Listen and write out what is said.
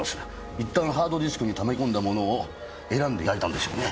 一旦ハードディスクに溜め込んだものを選んで焼いたんでしょうね。